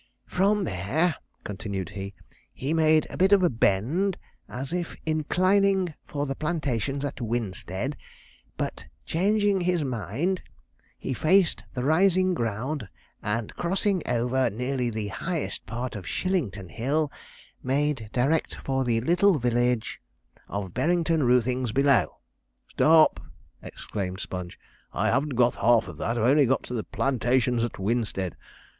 '"From there,"' continued he, '"he made a bit of a bend, as if inclining for the plantations at Winstead, but, changing his mind, he faced the rising ground, and crossing over nearly the highest part of Shillington Hill, made direct for the little village of Berrington Roothings below."' 'Stop!' exclaimed Sponge, 'I haven't got half that; I've only got to "the plantations at Winstead."'